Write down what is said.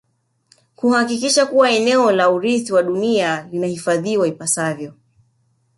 Kuhakikisha kuwa eneo la urithi wa dunia linahifadhiwa ipasavyo